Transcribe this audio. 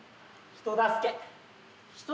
人助け？